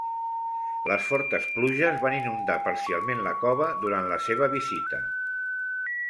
Les fortes pluges van inundar parcialment la cova durant la seva visita.